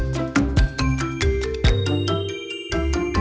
gagal emang pergi siap dua